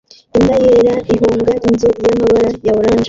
Imbwa yera ihunga inzu yamabara ya orange